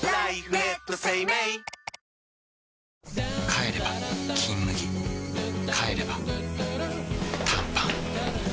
帰れば「金麦」帰れば短パン